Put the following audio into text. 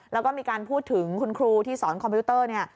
แล้วก็มีการพูดถึงคุณครูที่สอนคอมพิวเตอร์เนี่ย